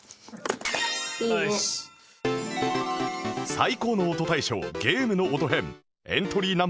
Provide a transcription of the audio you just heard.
最高の音大賞「ゲームの音」編